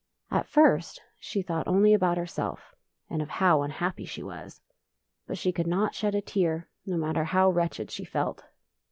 At first she thought only about herself, and of how imhappy she was. But she could not shed a tear, no matter how wretched she felt.